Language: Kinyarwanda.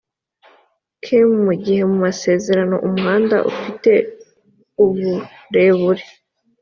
km mu gihe mu masezerano umuhanda ufite uburebure